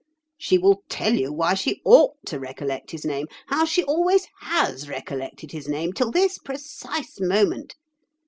She will tell you why she ought to recollect his name, how she always has recollected his name till this precise moment.